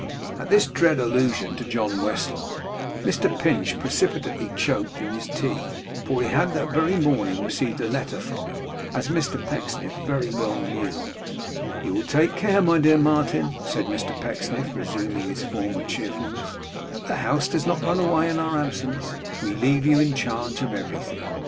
At this dread allusion to John Westlock, Mr Pinch precipitately choked in his tea; for he had that very morning received a letter from him, as Mr Pecksniff very well knew. 'You will take care, my dear Martin,' said Mr Pecksniff, resuming his former cheerfulness, 'that the house does not run away in our absence. We leave you in charge of everything.